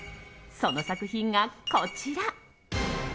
その作品が、こちら。